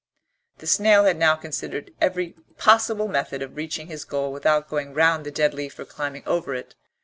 The snail had now considered every possible method of reaching his goal without going round the dead leaf or climbing over it.